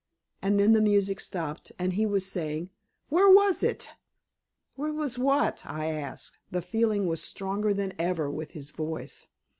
And then the music stopped and he was saying: "Where was it?" "Where was what?" I asked. The feeling was stronger than ever with his voice.